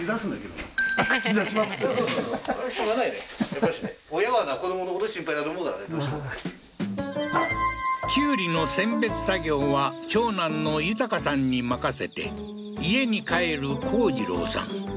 やっぱしねきゅうりの選別作業は長男の豊さんに任せて家に帰る幸次郎さん